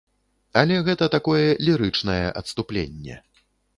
Але гэта такое лірычнае адступленне.